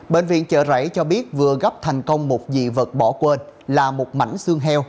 bệnh viện chợ rẫy cho biết vừa gấp thành công một dị vật bỏ quên là một mảnh xương heo